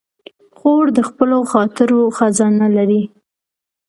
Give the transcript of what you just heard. خور د خپلو خاطرو خزانه لري.